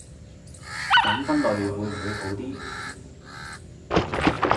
噉分類會唔會好啲